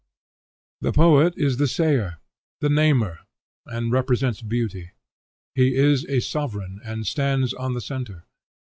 The poet is the sayer, the namer, and represents beauty. He is a sovereign, and stands on the centre.